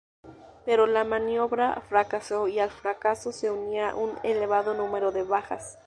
Pero la maniobra fracasó y al fracaso se unía un elevado número de bajas.